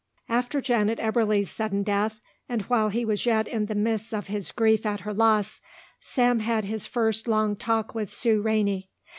After Janet Eberly's sudden death, and while he was yet in the midst of his grief at her loss, Sam had his first long talk with Sue Rainey.